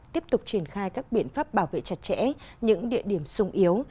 tiếp tục triển khai các biện pháp bảo vệ chặt chẽ những địa điểm sung yếu